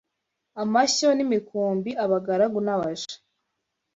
amashyo n’imikumbi abagaragu n’abaja